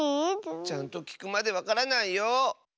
ちゃんときくまでわからないよ。